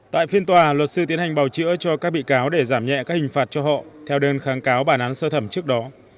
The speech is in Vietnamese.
tại phiên tòa luật sư tiến hành bào chữa cho các bị cáo để giảm nhẹ các hình phạt cho họ theo đơn kháng cáo bản án sơ thẩm trước đó